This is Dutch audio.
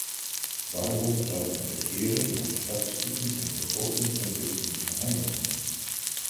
Waarom zou een regering haar statistieken en begrotingsontwikkeling geheimhouden?